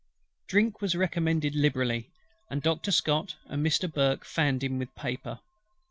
Drink was recommended liberally, and Doctor SCOTT and Mr. BURKE fanned him with paper.